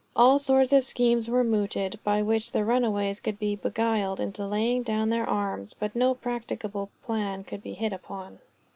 All sorts of schemes were mooted, by which the runaways could be beguiled into laying down their arms, but no practicable plan could be hit upon.